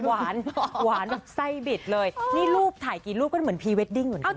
หวานหวานแบบไส้บิดเลยนี่รูปถ่ายกี่รูปก็เหมือนพรีเวดดิ้งเหมือนกัน